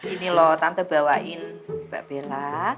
ini loh tante bawain mbak bella